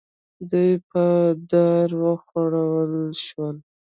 دوی په دار وځړول شول.